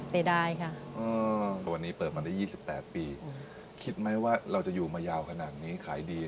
เสียดายค่ะเพราะวันนี้เปิดมาได้๒๘ปีคิดไหมว่าเราจะอยู่มายาวขนาดนี้ขายดี